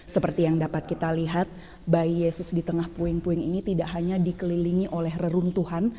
seperti yang dapat kita lihat bayi yesus di tengah puing puing ini tidak hanya dikelilingi oleh reruntuhan